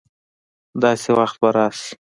داسي وخت به راشي